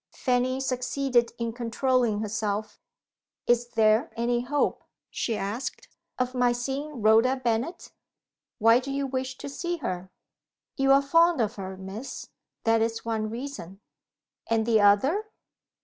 Fanny succeeded in controlling herself. "Is there any hope," she asked, "of my seeing Rhoda Bennet?" "Why do you wish to see her?" "You are fond of her, Miss that is one reason." "And the other?"